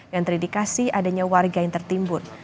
yang terindikasi adanya warga yang tertimbun